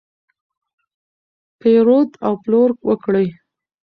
پیرود او پلور وکړئ.